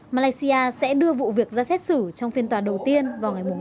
malaysia sẽ đưa vụ việc ra xét xử trong phiên tòa đầu tiên vào ngày năm tháng năm